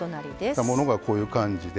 煮たものがこういう感じで。